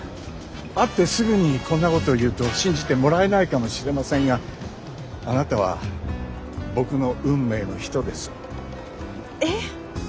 会ってすぐにこんなこと言うと信じてもらえないかもしれませんがあなたは僕の運命の人です。えっ！？